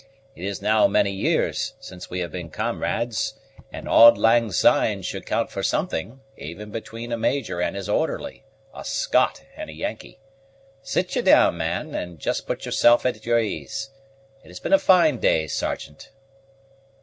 It is now many years since we have been comrades, and 'auld lang syne' should count for something, even between a major and his orderly, a Scot and a Yankee. Sit ye down, man, and just put yourself at your ease. It has been a fine day, Sergeant."